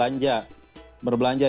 mereka juga berbelanja